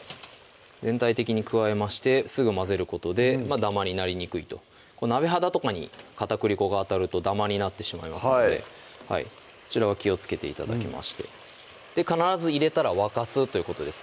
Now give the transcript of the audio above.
全体的に加えましてすぐ混ぜることでだまになりにくいと鍋肌とかに片栗粉が当たるとだまになってしまいますのでそちらは気をつけて頂きまして必ず入れたら沸かすということです